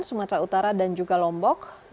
sumatera utara dan juga lombok